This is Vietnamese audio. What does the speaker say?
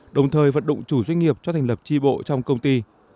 đồng thời vận động chủ doanh nghiệp cho thành lập tri bộ trong công ty